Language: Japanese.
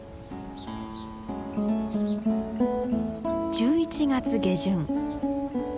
１１月下旬。